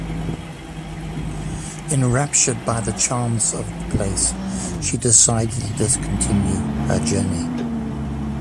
Enraptured by the charms of the place, she decided to discontinue her journey.